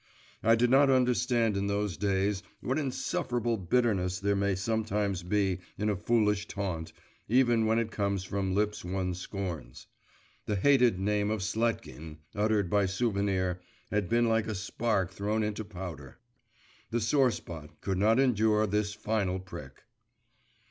I did not understand in those days what insufferable bitterness there may sometimes be in a foolish taunt, even when it comes from lips one scorns.… The hated name of Sletkin, uttered by Souvenir, had been like a spark thrown into powder. The sore spot could not endure this final prick.